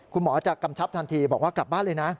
คุณหมอจะกำชับทันทีบอกว่ากลับบ้านเลยนะ